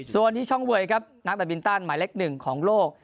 ส่วนนี้ช่องเวย์นักบ้านบินตันนัดหนึ่งของโลก